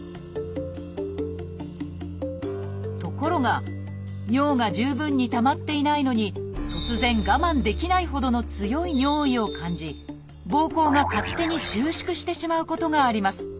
ところが尿が十分にたまっていないのに突然我慢できないほどの強い尿意を感じぼうこうが勝手に収縮してしまうことがあります。